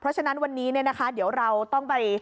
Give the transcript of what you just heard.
เพราะฉะนั้นวันนี้เนี่ยนะคะเดี๋ยวเราต้องไป